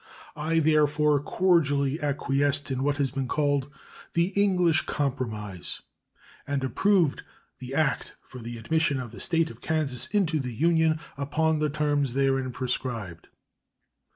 I therefore cordially acquiesced in what has been called the English compromise and approved the "act for the admission of the State of Kansas into the Union" upon the terms therein prescribed.